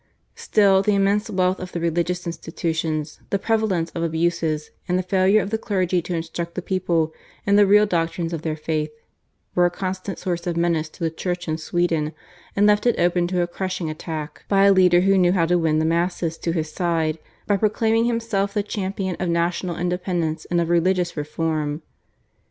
Still the immense wealth of the religious institutions, the prevalence of abuses, and the failure of the clergy to instruct the people in the real doctrines of their faith were a constant source of menace to the Church in Sweden, and left it open to a crushing attack by a leader who knew how to win the masses to his side by proclaiming himself the champion of national independence and of religious reform.